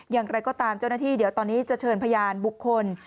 อย่างไรก็ตามเจ้าหน้าที่เดี๋ยวตอนนี้จะเชิญพยานบุคคล